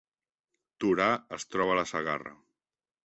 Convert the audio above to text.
Torà es troba a la Segarra